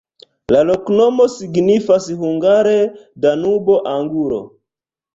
La loknomo signifas hungare: Danubo-angulo.